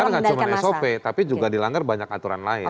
yang dilanggar bukan cuma sop tapi juga dilanggar banyak aturan lain